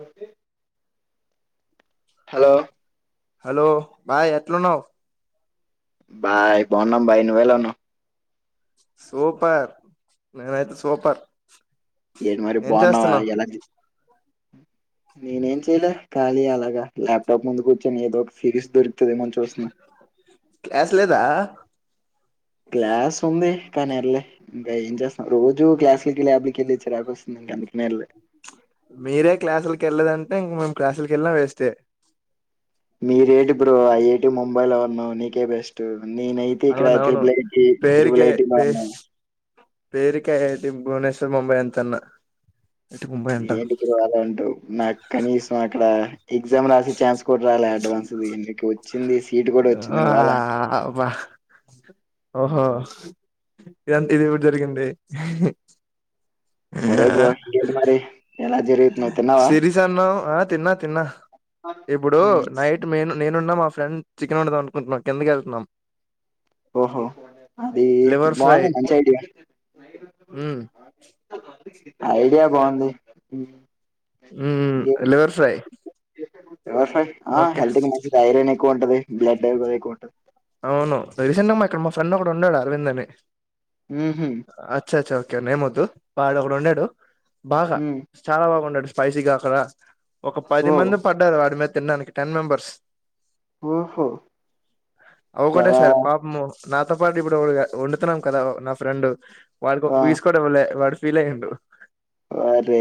Okay hello hello భాయ్ ఎట్లున్నావ్. భాయ్ బాన్నం భాయ్ నువ్ వేళ ఉన్నవ్ సూపర్ నేన్యతే సూపర్ ఏంటి మారి ఏం బాగున్నావా చేస్తున్నావ్ ఎలా నేనేం చెయలే ఖాళీ అలాగా ల్యాప్టాప్ ముందు కూర్చొని ఏదో ఒక సిరిస్ దొరుకుతాది ఏమో అని చూస్తున్న క్లాస్ లేదా గ్లాస్ ఉంది కానీ వెళ్ళ ఇంకా ఏం చేత్తా రోజు రు గ్లాస్లుకిలాబ్కి ఎల్లి స్తు మీరే క్లాసులకి వెళ్ళదంటే ఇంక మేము క్లాసులకి వెళ్ళిన వేస్టే మీరేటి బ్రో ఐఐటి ముంబై లో ఉన్నావ్ నీకే బెస్ట్ నీ నైతే ఇక్కడ అవునవును త్రిబులైటి త్రిబుల పేరుకే ఐటీలో పే ఉన్నాను పేరుకే అయితే భువనేశ్వర్ ముంబై అంతన్నా ఐఐటి ముంబై అంట ఏంటి ఇపుడు అలా అంటావు నాకు కనీసం అక్కడ. ఎగ్జామ్ రాసె ఛాన్స్ కూడా రాలే అడ్వాన్స్ది నీకు వచ్చింది సీట్ కూడా వచ్చింది ఆ నువ్వలా. అబ్బా ఓహో ఇదంత ఇది కూడ జరిగింది ఇ హి. సరే బ్రో ఇంకేంటి మరి. ఎలా జరుగుతున్నావ్ తిన్నావా సిరిసన్న్ ఆ తిన్నా తిన్నా ఇప్పుడు మ్మ్ నైట్ మే నేనున్న మా ఫ్రెండ్ చికెన్ వండదాం అనుకుంటున్నా కిందకు వెళ్తున్నాం ఓహో అది లివర్ బాగనే మంచి ఐడియ ఉహ్ ఐడియా బావుంది ఉహ్ ఉమ్ లివర్ ఫ్రై లివర్ ఫ్రై హా ఓకే హెల్త్ కి మంచిదే ఐరన్ ఎక్కువ ఉంటది. బ్లడ్ ఐరన్ ఎక్కువ ఉంటది. అవును రీసెంట్ గా మా ఇక్కడ మా ఫ్రెండ్ ఒకడ ఉండాడు అరవింద్ అని మ్మ్ హ్మ్ అచ్చచ్చ ఒకే నేమోద్దు. వాడోక్కడుండాడు బాగా మ్మ్ చాలా బాగా వండడు స్పైసీగా అక్కడ ఒక పది ఓ మంది పడ్డారు వాడి మీద తిన్డానికి టెన్ మెంబర్స్ ఓహో చాలా ఒకటేసారి పాపము నాతో పాటు ఇప్పుడు ఇగ వండుతున్నాం కదా నా ఫ్రెండు వాడికి ఒక ఆ పీస్ కూడా ఇవ్వళ్లే వాడు ఫీల్ అయ్యిం డు వరే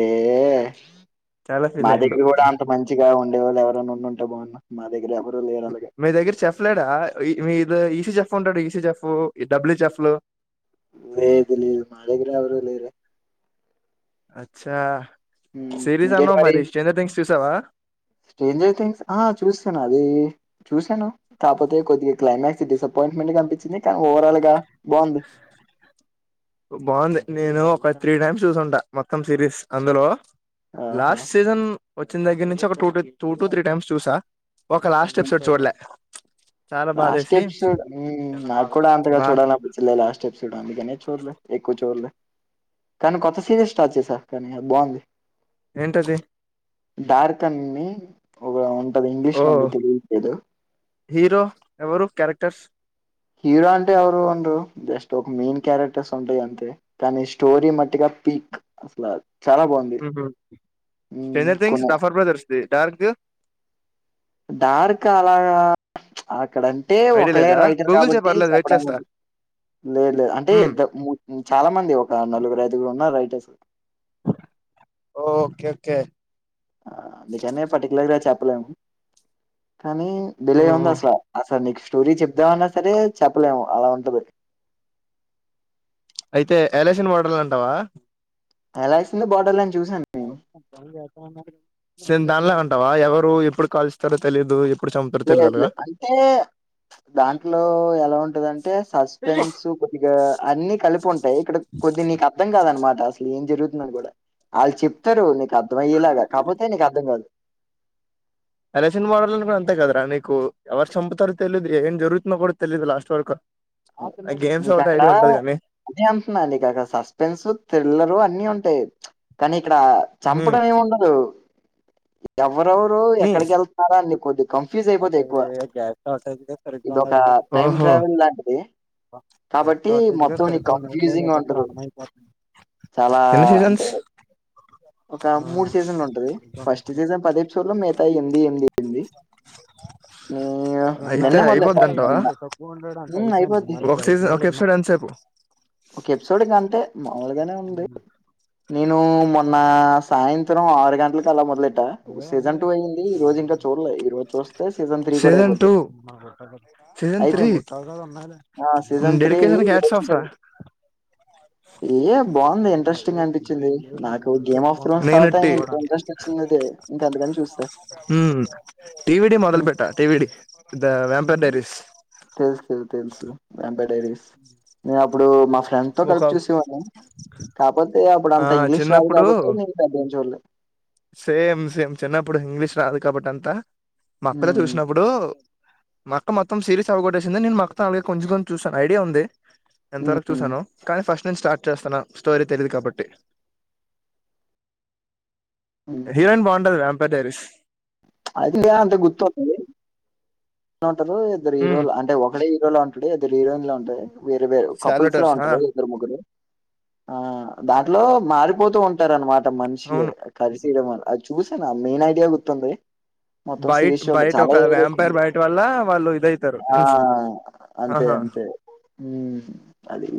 చాలా ఫీల్ మా అయ్యిండు దగ్గర కూడా అంత మంచిగా వండేవాళ్ళు ఎవరెన్ననా ఉండింటే బాగుండు మా దగ్గర ఎవరు లేరు అలాగా మీ దగ్గర చెఫ్ లేడా ఈ మీది ఈసీ చెఫ్ ఉంటాడు. ఈసీ చెఫ్ ఈ డబ్ల్యూ చెెఫ్లు లేదు లేదు మాదగిర ఎవరు లేరు అచ్చా సిరీస్ అన్నవ్ మరి స్టేంజర్ థింగ్స్ చూసావా స్టేంజర్ థింగ్స్ ఆ చూస్తున్న. అది చూశాను కాకపోతే కొద్దిగా క్లైమాక్స్ డిసప్పాయింట్మెంట్ గా అనిపించింది కానీ ఓవరాల్ గా బాగుంది బావుంది నేను ఒక త్రీ టైమ్స్ చూసుంటా. మొత్తం సిరీస్ అందులో ఆహా లాస్ట్ సీన్ వచ్చిన దగ్గర నుంచి ఒక two two two two three times చూసా ఒక లాస్ట్ హ్మ్. ఎపిసోడ్ చూడ్లే లాస్ట్ ఎపిసోడ్ నేన్ నాకు కూడా అంతగా బా చూడాలనిపించిలే లాస్ట్ ఎపిసోడ్ అందుకనే చూడ్లే ఎక్కువ చూడ్లే కానీ కోత్త సిరిస్ స్టార్ట్ చేశా కానీ బావుంది ఏంటది డార్క్ అన్ని ఒక ఉంటది. ఇంగ్లీష్ ఓ లో ఉంది తెలుగు లేదు హీరో ఎవరు క్యారెక్టర్స్ హీరో అంటే ఎవరు ఉండ్రు జస్ట్ ఒక మెయిన్ క్యారెక్టర్స్ ఉంటాయి. అంతే కానీ స్టోరీ మట్టిగా పీక్ అసలా ఉహ్ హు హ్మ్. స్ట్రెంజర్ థింగ్స్ కొన్ని డఫర్ బ్రదర్స్ది డార్క్ ది డార్క్ అలాగా ఆహ్ ఇక్కడంటే ఐడియా ఒకలే లేదా రైటర్ గూగుల్ చేయి కాబట్టి పర్లేదు వెయిట్ చేస్తా చెప్పడానికి లేదు లేదు అంటే ఉమ్ ఇద్ద ము ము చాలా మంది ఒక నలుగురు ఐదుగురు ఉన్నారు రైటర్స్ ఓకే కే ఆ అందుకనే పర్టిికలర్గా చెప్పలేం కానీ ఓ డిలేఉంది అసల్ అసనీ స్టోరీ చెప్దామన్నా సరే చెప్పలేము అలా ఉంటది అయితే ఎలేషన్ వాటర్లొ అంటావా ఎలాక్స్ంది బాటిల్ సేమ్ దానిలా అంటావా ఎవరు ఎప్పుడు కాలుస్తారో తెలిదు లే అట్లా లే అంటే దాంట్లో ఎలా ఉంటదాంటే సస్పెన్స్ కొద్దిగా అన్నిీ కలిపి ఉంటాయి. ఇక్కడ కొద్ది నీకు అర్థం కాదనమాట అసలు ఏం జరుగుతున్నాది కూడా వాళ్ళు చెప్తారు నీకు అర్థం అయ్యేలాగా కాకపోతే నీకు అర్థం కాదు. అలక్షిండ్ మోడోల్యాండ్ అంతే కదరా నీకు ఎవరు చంపుతారు తెలిదు. ఏం జరుగుతుందో తెలిదు లాస్ట్ వరకు. ఆ గేమ్స్ నీక్ ఒకటి అక్కడ ఐడియా ఉంటది కానీ అదే అంట్నా నీక అక్కడ సస్పెన్స్ థ్రిల్లరు అని అన్నీ ఉంటాయి కానీ ఇక్కడ ఉహు చంపడం ఏమి ఉండదు ఎవరెవరు ఎక్కడికి వెళ్తారా అన్న కొద్ది కన్ఫ్యూజ్ అయిపోది ఎక్కువ ఇదొక ఆ టైం ట్రావెలాంటి ఆబ్బ నీకు కన్ఫ్యూజింగ్ ఉంటది [unintelligible] చాలా అంటే ఒక మూడు సీజన్లు ఉంటది ఫస్ట్ సీజ పది ఎపిసోడ్లో మిగతా ఎనిమిది ఎనిమిది అంటే నిన్నే మొదలెట్టా అయిపోతుంది అంటావా నిన్న ఉమ్, అయిపోద్ది ఒక సీక్షన్ఒక ఎపిసోడ్ ఎంతసేపు ఒక ఎపిసోడ్ కంటే మాములుగానే ఉంది నేను మొన్న సాయంత్రం పొద్దున ఆరు అలా గంటల మొదల చూడలే. ఈరోజు చూస్తే కూడా సీజన్ అయిపోద్ది. టూ సీజన్ త్రీ అయిపోయింది. ఆ! సీజన్ డెడికేషన్కీ ఈరోజు హ్యాండ్యాప్ రా చూసాను. ఏ బాగుంది ఇంట్రెస్టింగ్ గా అనిపించింది నాకు గేమ్ ఆఫ్ త్రోన్స్ తర్వాత నేనట్టి ఇంత ఇంట్రెస్ట్ వచ్చింది అదే ఇంకా అందుకని చూ హమ్ టి వి డి మొదల్ హ్మ్. పెట్ట T V D the the vampire diaries తెలుసు తెలుసు తెలుసుపపా టరస్ నేను అప్పుడు ఫ్రెండ్ తో ఒక కలిపి చూసేవాడినీ కాపోతే అప్పుడు ఆ అంత ఇంగ్లీష్ రాదు చిన్నప్పుడు కాబట్టి నేను పెద్దగా ఆమ్ చూడ్లే సేమ్ సేమ్ చిన్నప్పుడు ఇంగ్లీష్ రాదు కాబట్ అంతా మా అక్కలో హ్మ్. చూసినప్పుడు అక్క మొత్తం సీరీస్ అవ్వొట్టేసింది నేను మొత్తం అలాగే కొంచెం కొంచెం చూశాను ఐడియా ఉంది ఎంతవరకు హ్మ్. చూసాను ఫస్ట్ టైం స్టార్ట్ చేస్తన్నా స్టోరీ తెలిదు కాబట్టి హీరోయిన్ బాగుండది ఎంపర్ టరిస్ అది గా అంత గుర్తుఒస్తాది ఇద్దరు హీరోలు అంటే ఒకడే హీరోలో ఉంటుడు ఇద్దరు హీరోయిన్ లో ఉంటాది వేరే వేరూ కపుల్స్ లా సాల్వటర్స్ ఆ ఉంటారు ఇద్దరు ముగ్గురు ఆ దాంట్లో మారిపోతూ ఉంటారు అనమాట మనుషులే అవును కలిసి చూసాను మెయిన్ ఐడియా గుర్తుంది మొత్తం బయట్ సిరీస్ చూడలేదు బయట చాలా ఒక యూనిక్ వ్యాంపైర్ ఉంది బయట వల్ల వాళ్ళు ఇదయితారు ఆ అంతే ఆహా అంతే హమ్ అది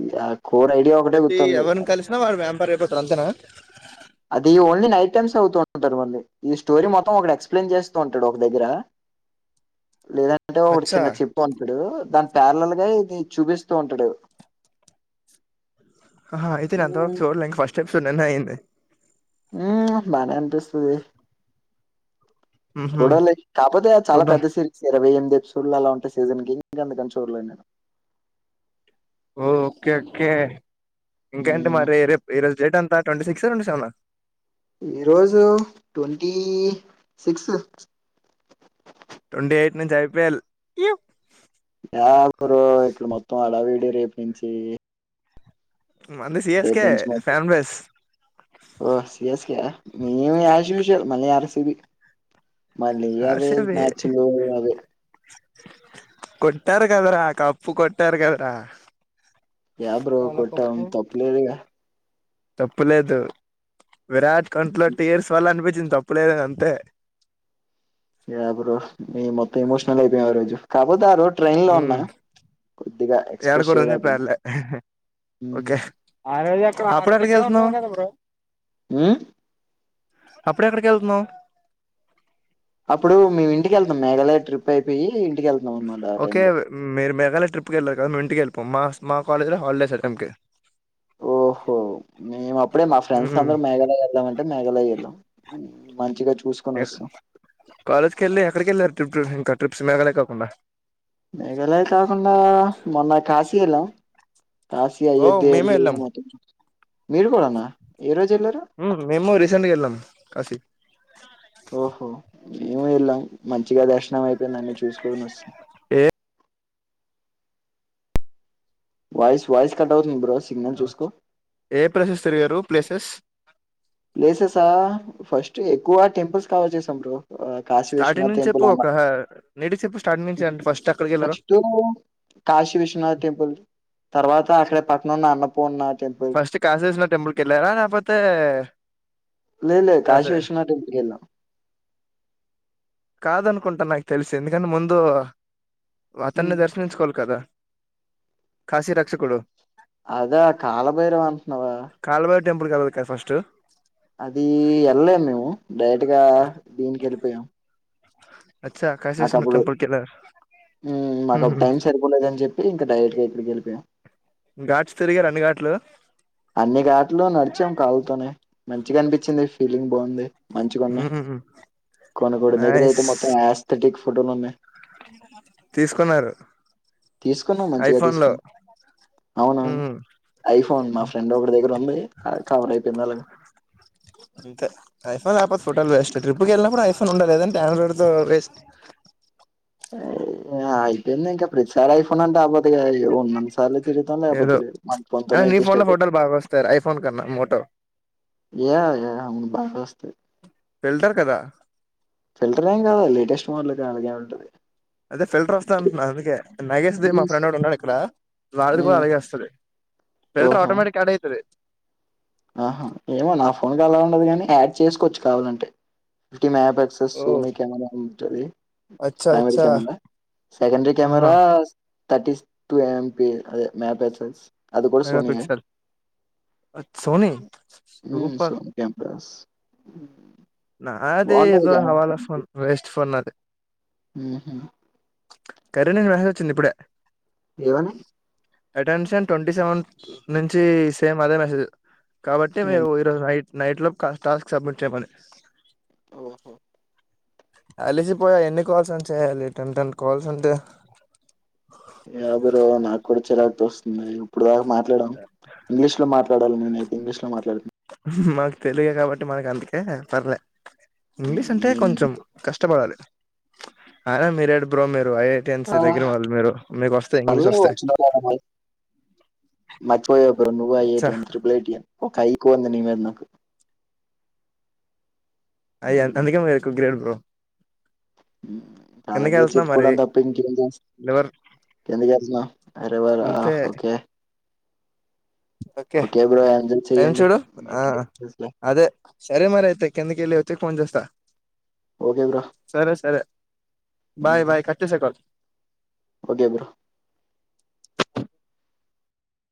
కోర్ ఐడియా ఒకటే గుర్తుంది అది రేపటి టెన్షన్ ఏ అది ఓన్లీ నైటమ్స్ అవుతూ ఉంటారు మళ్ళీ ఈ స్టోరీ మొత్తం ఒక ఎక్స్ప్లెయిన్ చేస్తూ ఉంటాడు దగ్గర లేదంటే ఒకడు అచ్చా చిన్న చిప్పు ఉంటాడు ప్యర్లలుగా ఇది చూపిస్తూ ఉంటాడు ఆహా అయితే నేను అంతా ఉమ్ చూడలే ఫస్ట్ ఎపిసోడ్ నిన్ననే అయింది హమ్ బానే అనిపిస్తుంది ఉహు చూడాలీ కాకపోతే చాలా చూద్దాం పెద్ద సిరీస్ ఇరవై ఎపిసోడ్ అలా ఉంటే సీజన్ కీ ఇంక చూడేలే నేను ఓ ఓకే ఓకే ఇంకేంటి హ్మ్. మరి రేపు ఏ రోజు జెట్ అంత ట్వంటీ సిక్స్ ట్వంటీ సెవన్ ఈరోజు ట్వంటీ సిక్స్ ట్వంటీ ఎయిట్ నుంచి ఐపిఎల్ ఇయ్యు యాకుడు ఇక్కడ మొత్తం అలా వీడి రేపు నుంచి మంది ఏ సిఎస్కే బ్రెంచ్ మాత్ ఫ్యాన్ బేస్ ఓ సీఎస్కే మీను అస్ యూజ్ వాల్ మంచి గన్ మల్లియాలసిరి మళ్ళియావెన్ హర్షవి నచ్చిల్లవే కొట్టారు కదరా కప్పు కొట్టారు కదరా యా బ్రో కొట్టం తప్పు లేదు గా తప్పులేదు విరాట్ కంట్లో టీర్స్ వాళ్ళ అనిపి దీన్ తప్పలేదు అది అంతే యా బ్రో మే మొత్తం ఎమోషనల్ అయిపోయాం ఆ రోజు కాపోతేారు హరోజు ట్రైన్ లో ఉన్నా కొద్దిగా ఎక్స్‌ప్రెస్ చేయలేకపోయినా. హ్మ్. ఒకే అప్పుడే ఎక్కడికి వెళ్తునావ్ ఆ అప్పుడే ఎక్కడకి వెళ్తున్నావు అప్పుడు మేము ఇంటికి వెళ్తానం మేఘాలయ ట్రిప్ అయిపోయి ఇంటికి వెళ్ ఓకే మీరు మేఘాలయ ట్రిప్ వెళ్ళాక నువ్వు ఇంటికి వెళ్ళు పోమనసు మా కాలేజ్ లా హలీడే సార్ ఏం కే ఓహో మేము అప్పుడే మా ఫ్రెండ్స్ అందరు మేఘాలయ వెళ్ళాం అంటే మేఘాలయ వెళ్ళాం మంచిగాచు ఎ కాలేజ్ కి వెళ్ళి ఎక్కడికి వెళ్ళారు ట్రిప్ ఇంకా ట్రిప్స్ మేఘాలయ కాకుండా మేఘాలయ కాకుండా మొన్న కాశీ ఎలా కాశీ ఓ అయోధ్య మేమే వెళ్లి వెళ్ళాం మొత్తం చూపించి వీడు గుడా నా ఈరోజు ఉ మేము రీసెంట్ గా వెళ్ళాం కాశీ ఓహో మేము ఎలా మన్ మంచిగా దర్శనం అయిపోయింది అన్ని చూసుకోని వస్తాం ఏ వాయిస్ వాయిస్ కట్ అవుతుంది బ్రో సిగ్నల్ చూసుకో రావచ్చు ఏ ప్లేసెస్ తిరిగారు ప్లేసెస్ ప్లేసెసా ఫస్ట్ ఎక్కువ టెంపుల్స్ కవర్ చేసాం బ్రో ఆ కాశీ స్టార్టింగ్ విశ్వనాథ్ నుంచి టెంపుల్ చెప్పు అమ ఒక నీటికి చెప్పు స్టార్టింగ్ నుంచి అంటే ఫస్ట్ అక్కడికి వెళ్ళారు నెక్స్ట్ కాశీ విశ్వనాథ్ టెంపుల్ తర్వాత అక్కడే పక్కన ఉన్న అన్నపూర్ణ నాధ్ ఫస్ట్ కాసేస్ల టెంపుల్ కి వెళ్ళారా లేపోతే లేదు లేదు కాశీ విశ్వనాథ టెంపుల్ వెళ్ళాం కాదనుకుంటా నాకు తెలిసి ఎందుకంటే ముందు అతన్ని ఉమ్. దర్శించుకోవాలి కదా కాశీ రక్షకుడు అదా కాలభైరవ అంటున్నావా కాల్బాయి టెంపుల్ కదా వి క ఫస్ట్ అది వెళ్ళలేము మేము డైరెక్ట్ గా దీనికి వెళ్ళిపోయాం అచ్చా కాశీ విశ్వనాధ్ టెంపుల్ కేల ఉ మాకు అప్పుడు టైం సరిపోలేదని చెప్పి ఇంకా డైరెక్ట్ గా ఇక్కడికే వెళ్లిపోయాం ఘాట్స్ తిరిగరా అన్ని ఘాట్లు అన్ని ఘట్లు నడిచాం కాళ్ళతోనే మంచిగా అనిపించింది ఫీలింగ్ బాగుంది మంచిగా ఉన్నాయి మ్మ్ కొనకూడదు దగ్గర నైస్ అయితే మొత్తం ఆస్థెటిక్ ఫోటోలు ఉన్నాయి తీసుకున్నారు తీసుకున్నాం మంచిగా తీసుకున్నాం ఉ అవునవును ఐఫోన్ మా ఫ్రెండ్ ఒకడి దగ్గర ఉంది అది కవర్ అయిపోయింది అలాగ అంతే టై ఫా టోటల్ వేస్ట్ ట్రిప్కి వెళ్ళినప్పుడు ఐఫోన్ ఉండాల లేదంటే ఆండ్రాయిడ్ తో వేస్ట్ ఆ అయిపోయిందింక ప్రత్ సారయిఫో కపోతే ఇగ ఈ ఓ నాన్ను సార్లు తిరుగుతాం. లేపోతే ఏదో లేదు. మ [unintelligible] అయినా నీ ఫోన్ లో పొంతనేఏజిష్టపో ఫోటోలు బాగా వస్తాయి ఐఫోన్ కన్నా మోటో ఏ ఏను బాగ్ వస్తయ్ వెళ్తార్ కదా ఫిల్టర్ ఏం కాదా లేటెస్ట్ మోడల్ క అలాగే ఉంటది. అదే ఫిల్టర్ వస్తాన్ అంట్న్నా. అందుకే నగేష్ది మా హ్మ్, స్ ఫ్రెండ్ ఒకడున్నాడు ఇక్కడ. వాడ్ది కూడా హ్మ్. అలాగే వస్తది. ఫిల్టర్ ఓహో ఆటోమేటిక్ యాడ్ అయితది. ఆహా ఏమో నా ఫోన్ అలా ఉండదు కాని. యాడ్ చేసుకోవచ్చు కావాలంటే. జ్ఞాప్ ఎక్సెస్ ఓ సోని కేమెరా ఉంటది. అచ్చా ప్రైమరీ అచ్చా కెమెరా సెకండ్రీ ఆహా కెమెరా థర్టీ టూ ఏం పి అదే మ్యాప్ ఎస్ ఎస్ మెగా పిక్సెల్ అట్ సోని ఉ సో ఇంకేం బస్ నాది ఏదో హవాలా ఫోన్ వేస్ట్ ఫోన్ నాదే ఉహు కరీను [unintelligible] రహ వచ్చింది ఇప్పుడే ఎవని అటెన్షన్ ట్వంటీ సెవెన్ ను నుంచి సేమ్ అదే మెసేజ్. కాబట్టి మీరు ఈరోజు నైట్ నైట్ లో క టాస్క్ సబ్మిట్ చేయ్మనీ ఓహో అలిసిపోయా ఎన్ని కాల్స్ అని చేయాలి. టెన్ టెన్ కాల్స్ అంటే. యా బ్రో నాకు కూడా చిరాకుతోస్తుంది. ఇప్పుడు దాకా మాట్లాడం. ఇంగ్లీష్ లో మాట్ కాడాల్ నేనైతే ఇంగ్లీష్ లో మాట్లాడ్ మాకు తెలుగే కాబట్టి. మనకు అందుకే పర్లే, ఉమ్, ఇంగ్లీష్ అంటే నేను కొంచెం కష్ ష్టపడాలి అయినా మీరేంటి బ్రో మీ ర్ ఐఐటియన్స్ ఆ, దగ్గర వాళ్ మీరు. మీకు వస్తాయి. ఇంగ్లీష్ పర్లేదు సోస్తాయి. మర్చిపోయవ బ్రో నువు ఐ. ఐ. టీయన్ త్రిబులైటియన్ కువుంది నీ మీద నాకు ఉమ్, అయంతదుకే మీకు గ్రేడ్ బ్రో ఉమ్ కిందకి అలాగే వెళ్తున్నా మరి చెప్పుకోడాని తప్ప ఇంకేం చేస్ లివర్ ఎందుకు వెళ్తున్నావ్ అయిరాబాద్ ఆ అంతే ఓకే ఓకే ఒకే బ్రో జ్ టైం చూడు ఆ అదే సరే మరయితే కిందకెళ్ళిత్ తీర్ ఫోన్ చేస్తా. ఓకే బ్రో సరే సరే బాయ్ బాయ్ కట్ చేసేయ్ కాల్ ఓకే బ్రో